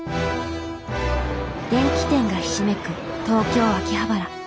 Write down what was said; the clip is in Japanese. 電器店がひしめく東京・秋葉原。